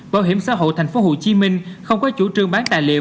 bảo hiểm xã hội tp hcm không có chủ trương bán tài liệu